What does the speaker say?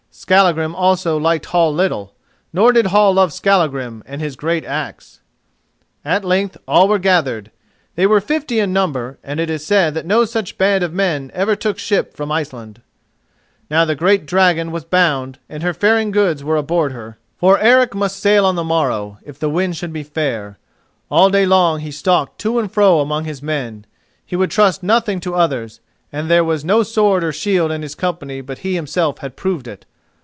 Skallagrim also liked Hall little, nor did Hall love Skallagrim and his great axe. At length all were gathered; they were fifty in number and it is said that no such band of men ever took ship from Iceland. Now the great dragon was bound and her faring goods were aboard of her, for Eric must sail on the morrow, if the wind should be fair. All day long he stalked to and fro among his men; he would trust nothing to others, and there was no sword or shield in his company but he himself had proved it.